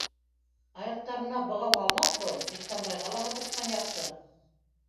Аяҡтарына бығау һалмаҫ борон, Ихсанбайға ла һыпыртҡан яҡшы...